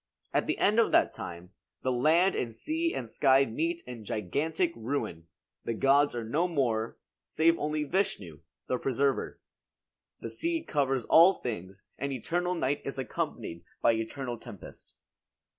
At the end of that time, the land and sea and sky meet in gigantic ruin; the gods are no more, save only Vishnu, the preserver. The sea covers all things and eternal night is accompanied by eternal tempest.